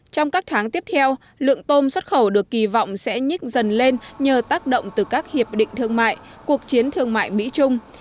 trong các tháng tiếp theo lượng tôm xuất khẩu được kỳ vọng sẽ nhích dần lên nhờ tác động từ các hiệp định thương mại cuộc chiến thương mại mỹ trung